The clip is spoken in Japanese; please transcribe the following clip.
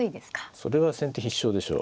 それは先手必勝でしょう。